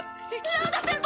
ラウダ先輩！